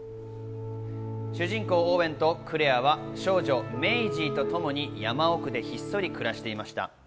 主人公・オーウェンとクレアは少女・メイジーとともに山奥でひっそり暮らしていました。